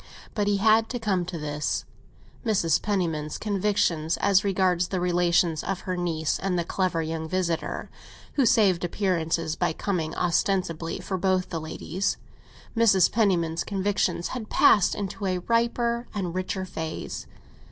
But he had to come to this. Mrs. Penniman's convictions as regards the relations of her niece and the clever young visitor who saved appearances by coming ostensibly for both the ladies—Mrs. Penniman's convictions had passed into a riper and richer phase.